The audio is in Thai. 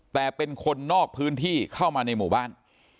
แต่เป็นคนนอกพื้นที่เข้ามาในหมู่บ้าน